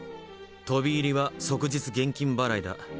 飛び入りは即日現金払いだ。